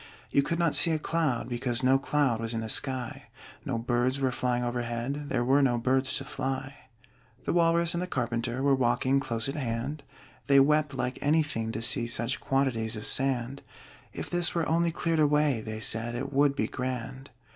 You could not see a cloud, because No cloud was in the sky. No birds were flying overhead There were no birds to fly. The Walrus and the Carpenter Were walking close at hand; They wept like anything to see Such quantities of sand: "If this were only cleared away," They said, "it would be grand!"